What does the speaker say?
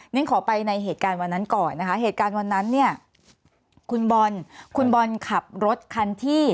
นี่ขอไปในเหตุการณ์วันนั้นก่อนนะคะเหตุการณ์วันนั้นเนี่ยคุณบอลคุณบอลขับรถคันที่